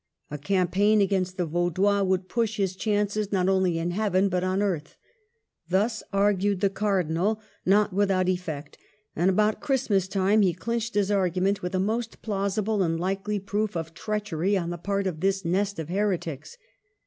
A campaign against the Vaudois would push his chances not only in heaven but on earth. Thus argued the Cardinal, not without effect; and about Christmas time he clinched his argument with a most plausible and likely proof of treachery on the part of this nest of heretics.